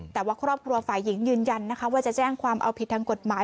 แต่ว่าครอบครัวฝ่ายหญิงยืนยันนะคะว่าจะแจ้งความเอาผิดทางกฎหมาย